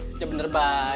jangan bener bay